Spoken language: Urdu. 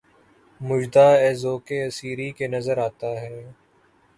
مُژدہ ، اے ذَوقِ اسیری! کہ نظر آتا ہے